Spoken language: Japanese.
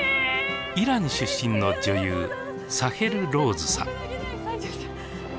イラン出身の女優サヘル・ローズさん。